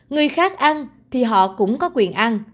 người khác ăn thì họ cũng có quyền ăn